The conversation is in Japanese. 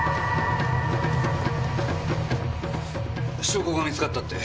証拠が見つかったって。